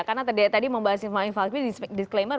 karena tadi membahas ismail fahmi disclaimer